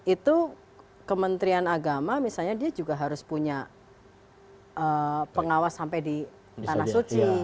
itu kementerian agama misalnya dia juga harus punya pengawas sampai di tanah suci